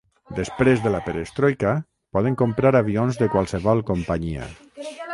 Després de la Perestroika, poden comprar avions de qualsevol companyia.